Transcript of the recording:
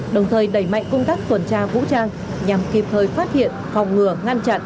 đồng thời đẩy mạnh công tác tuần tra vũ trang nhằm kịp thời phát hiện phòng ngừa ngăn chặn